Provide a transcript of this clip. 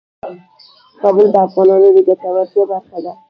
کابل د افغانانو د ګټورتیا برخه ده.